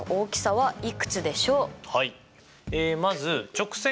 はい。